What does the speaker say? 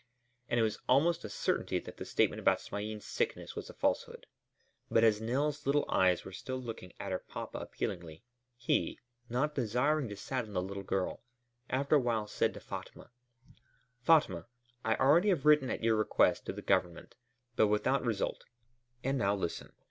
And it was almost a certainty that the statement about Smain's sickness was a falsehood. But as Nell's little eyes were still looking at her papa appealingly, he, not desiring to sadden the little girl, after a while said to Fatma: "Fatma, I already have written at your request to the Government, but without result. And now listen.